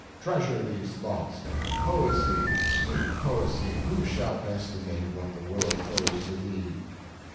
Treasure these thoughts. 'Poesy, sweet poesy, who shall estimate what the world owes to thee!